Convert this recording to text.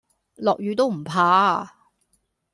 落雨都唔怕